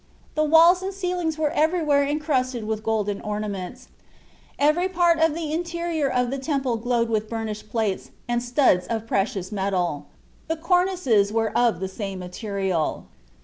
The walls and ceilings were everywhere incrusted with golden ornaments; every part of the interior of the temple glowed with burnished plates and studs of the precious metal; the cornices were of the same material."